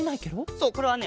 そうこれはね